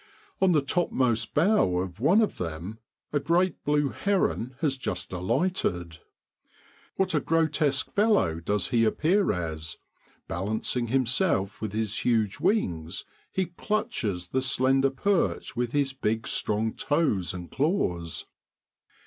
On the topmost bough of one of them a great blue heron has just alighted. What a grotesque fellow does he appear as, balancing himself with his huge wings, he clutches the slender perch with his big strong toes and claws